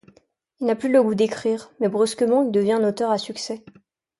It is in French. Il n'a plus le goût d'écrire, mais brusquement il devient un auteur à succès.